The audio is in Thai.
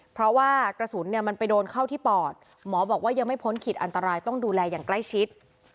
เพราะว่ากระสุนเนี่ยมันไปโดนเข้าที่ปอดหมอบอกว่ายังไม่พ้นขีดอันตรายต้องดูแลอย่างใกล้ชิด